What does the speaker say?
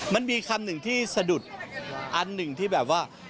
มันมีคำหนึ่งที่สะดุดอันหนึ่งที่แบบว่า